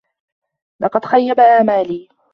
لقد خيّب آمالي.